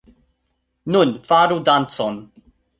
Nun, faru dancon.